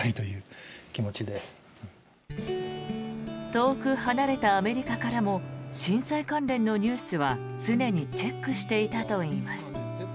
遠く離れたアメリカからも震災関連のニュースは常にチェックしていたといいます。